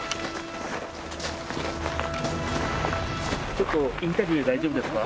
ちょっとインタビュー大丈夫ですか？